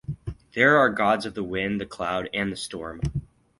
They are gods of the wind, the cloud, and the storm.